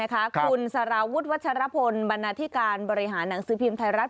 คุณสารวุฒิวัชรพลบรรณาธิการบริหารหนังสือพิมพ์ไทยรัฐ